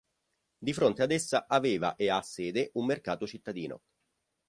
Di fronte ad essa aveva e ha sede un mercato cittadino.